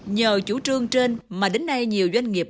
nhờ chủ trương trên mà đến nay nhiều doanh nghiệp